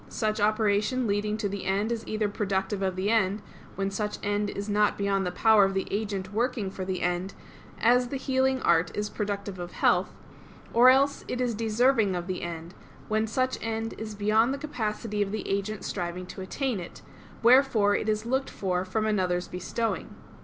Such operation leading to the end is either productive of the end, when such end is not beyond the power of the agent working for the end, as the healing art is productive of health; or else it is deserving of the end, when such end is beyond the capacity of the agent striving to attain it; wherefore it is looked for from another's bestowing.